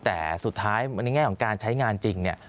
แต่สุดท้ายในแง่ของการใช้งานจริงเนี่ย